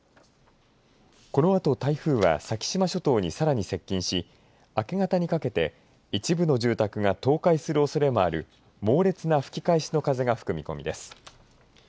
このあと台風は先島諸島にさらに接近し明け方にかけて一部の住宅が倒壊するおそれもある猛烈な吹き返しの風が吹く見込みです。